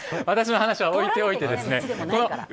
私の話は置いておいてですね。